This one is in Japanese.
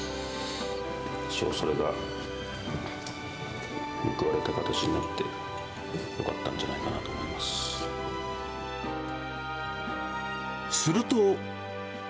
それが報われた形になって、よかったんじゃないかなと思いますると。